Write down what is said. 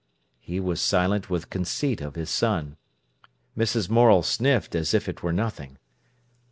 He was silent with conceit of his son. Mrs. Morel sniffed, as if it were nothing.